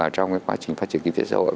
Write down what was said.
trong quá trình phát triển kinh tế xã hội